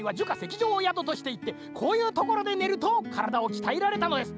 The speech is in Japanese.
きじょうをやどとしていてこういうところでねるとからだをきたえられたのです。